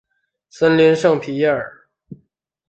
森林圣皮耶尔。